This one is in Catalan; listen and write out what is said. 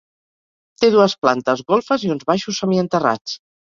Té dues plantes, golfes i uns baixos semienterrats.